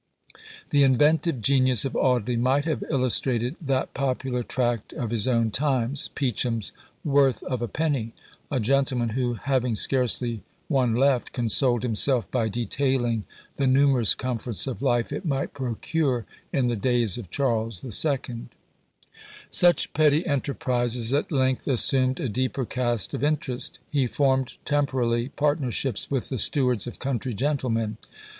The inventive genius of Audley might have illustrated that popular tract of his own times, Peacham's "Worth of a Penny;" a gentleman who, having scarcely one left, consoled himself by detailing the numerous comforts of life it might procure in the days of Charles II. Such petty enterprises at length assumed a deeper cast of interest. He formed temporally partnerships with the stewards of country gentlemen.